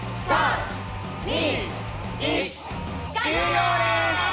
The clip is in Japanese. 終了です。